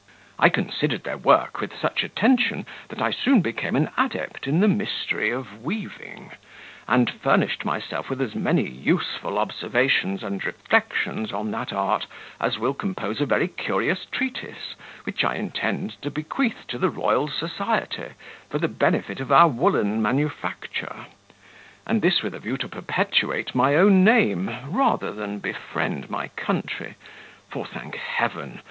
"I considered their work with such attention that I soon became an adept in the mystery of weaving, and furnished myself with as many useful observations and reflections on that art, as will compose a very curious treatise, which I intend to bequeath to the Royal Society, for the benefit of our woollen manufacture; and this with a view to perpetuate my own name, rather than befriend my country; for, thank Heaven!